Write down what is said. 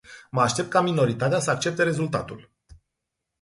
Mă aștept ca minoritatea să accepte rezultatul.